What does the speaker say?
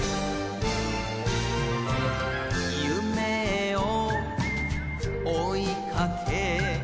夢を追いかけ